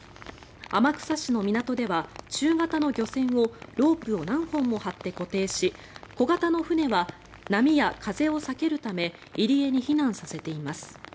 天草市の港では中型の漁船をロープを何本も張って固定し小型の船は波や風を避けるため入り江に避難させています。